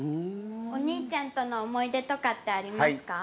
お兄ちゃんとの思い出とかってありますか？